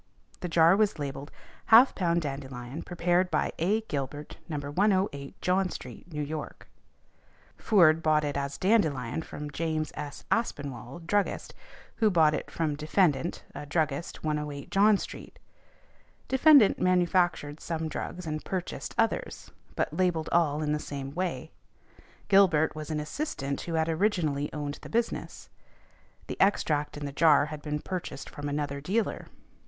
The jar was labelled '½ ℔ dandelion, prepared by A. Gilbert, No. 108 John street, N. Y.' Foord bought it as dandelion from James S. Aspinwall, druggist, who bought it from defendant, a druggist, 108 John street. Defendant manufactured some drugs and purchased others, but labelled all in the same way. Gilbert was an assistant who had originally owned the business. The extract in the jar had been purchased from another dealer.